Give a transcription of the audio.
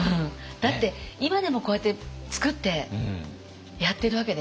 だって今でもこうやって作ってやってるわけですから。